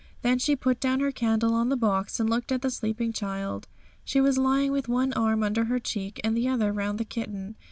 Then she put down her candle on the box and looked at the sleeping child. She was lying with one arm under her cheek, and the other round the kitten.